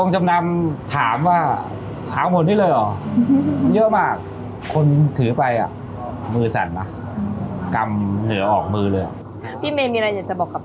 จำได้แม่ทองตอนนั้นเท่าไรครับ